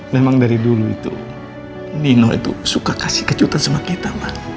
memang dari dulu itu nino itu suka kasih kejutan sama kita